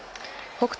北勝